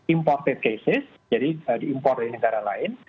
imported cases jadi diimpor dari negara lain